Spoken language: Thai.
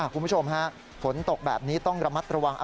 คุณผู้ชมฮะฝนตกแบบนี้ต้องระมัดระวัง